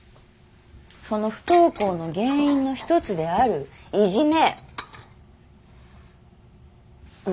その不登校の原因の一つであるいじめ。